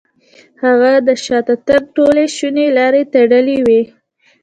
هغه د شاته تګ ټولې شونې لارې تړلې وې.